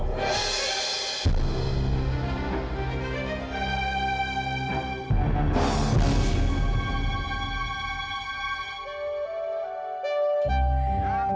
kalau dia juga anak kamu